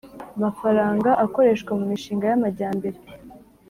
Mafaranga akoreshwa mu mishinga y amajyambere